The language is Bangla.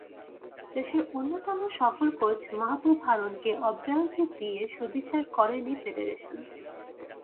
দেশের অন্যতম সফল কোচ মাহবুব হারুনকে অব্যাহতি দিয়ে সুবিচার করেনি ফেডারেশন।